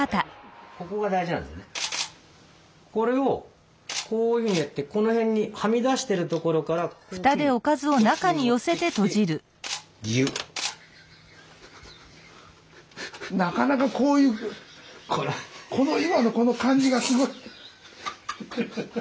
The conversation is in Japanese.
これをこういうふうにやってこの辺にはみ出してるところからこういうふうにこっちに持ってきてなかなかこういうこの今のこの感じがすごい。